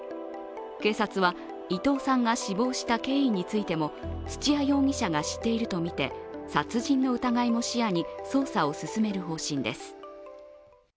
警察は伊藤さんが死亡した経緯についても土屋容疑者が知っているとみて殺人の疑いも視野に捜査を進める方針です。